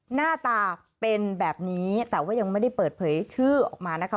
หน้าตาเป็นแบบนี้แต่ว่ายังไม่ได้เปิดเผยชื่อออกมานะคะ